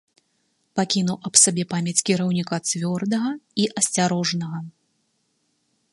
Пакінуў аб сабе памяць кіраўніка цвёрдага і асцярожнага.